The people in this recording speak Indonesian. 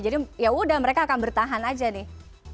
jadi ya udah mereka akan bertahan aja nih